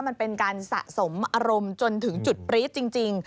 มันเป็นการสะสมอารมณ์จนถึงจุดปรี๊ดจริง